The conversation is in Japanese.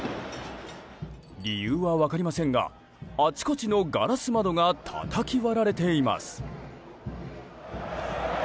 理由は分かりませんがあちこちのガラス窓がたたき割られています。